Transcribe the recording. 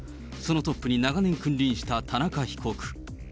そのトップに長年君臨した田中被告。